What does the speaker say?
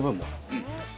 うん。